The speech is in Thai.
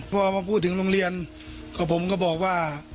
พอมาพูดถึงโรงเรียนผมก็บอกว่า